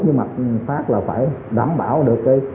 nhưng mà phát là phải đảm bảo được